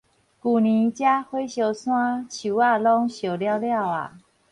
舊年遮火燒山，樹仔攏燒了了矣